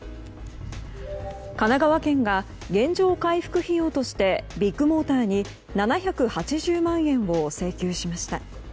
神奈川県が原状回復費用としてビッグモーターに７８０万円を請求しました。